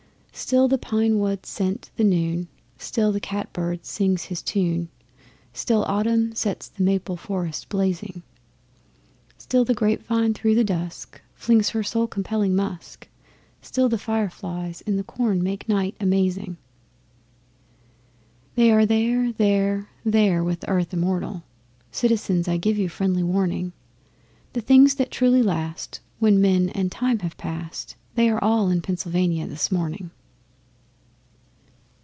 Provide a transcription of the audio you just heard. Still the pine woods scent the noon; still the cat bird sings his tune; Still Autumn sets the maple forest blazing. Still the grape vine through the dusk flings her soul compelling musk; Still the fire flies in the corn make night amazing. They are there, there, there with Earth immortal (Citizens, I give you friendly warning). The things that truly last when men and times have passed, They are all in Pennsylvania this morning!